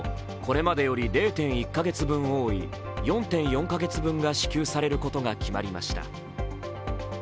ボーナスもこれまでより０．１か月分多い４．４か月分が支給されることが決まりました。